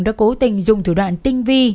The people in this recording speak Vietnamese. đã cố tình dùng thủ đoạn tinh vi